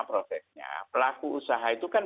prosesnya pelaku usaha itu kan